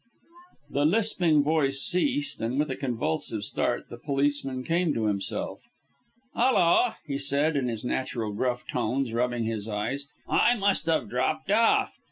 '" The lisping voice ceased, and, with a convulsive start, the policeman came to himself. "Hulloa!" he said, in his natural gruff tones, rubbing his eyes. "I must have 'dropped off.'